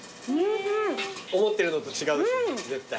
思ってるのと違うでしょ絶対。